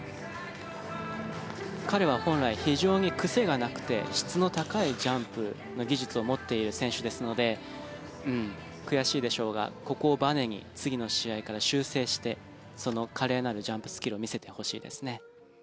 彼は本来非常に癖のなくて質の高いジャンプの技術を持っている選手ですので悔しいでしょうが、ここをばねに次の試合から修正してその華麗なるジャンプスキルを見せてほしいですね。